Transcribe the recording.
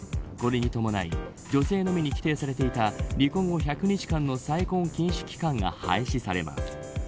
これに伴い女性のみに規定されていた離婚後１００日間の再婚禁止期間が廃止されます。